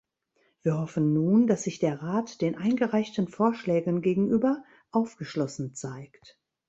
Wir hoffen nun, dass sich der Rat den eingereichten Vorschlägen gegenüber aufgeschlossen zeigt.